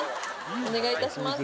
お願いいたします